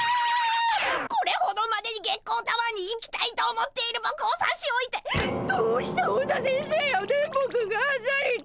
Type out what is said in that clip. これほどまでに月光タワーに行きたいと思っているぼくをさしおいてどうして本田先生や電ボくんがあっさりと。